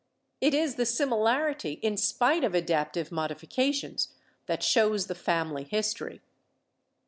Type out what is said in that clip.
It is the similarity in spite of adaptive modifications that shows the family history."